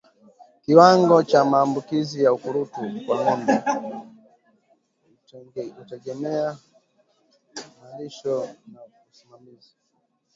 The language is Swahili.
Kiwango cha maambukizi ya ukurutu kwa ngombe hutegemea malisho na usimamizi